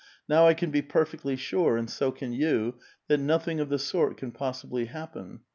" Now I can be perfectly sure, and so can you, that nothing of ftie sort can possibly happen.